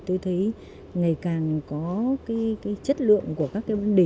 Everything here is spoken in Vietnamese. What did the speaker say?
tôi thấy ngày càng có cái chất lượng của các cái vấn đề